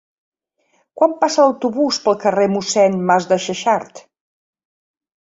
Quan passa l'autobús pel carrer Mossèn Masdexexart?